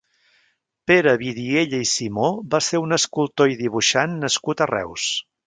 Pere Vidiella i Simó va ser un escultor i dibuixant nascut a Reus.